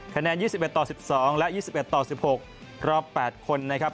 คะแนน๒๑ต่อ๑๒และ๒๑ต่อ๑๖รอบ๘คนนะครับ